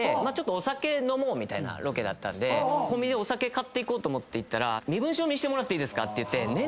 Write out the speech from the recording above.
お酒飲もうみたいなロケでコンビニでお酒買おうと思って行ったら「身分証見せてもらっていいですか？」って言って。